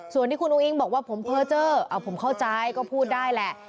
ส่วนที่คุณอุ้งบอกว่าผมเพอร์เจอร์ผมเข้าใจก็พูดได้แหละ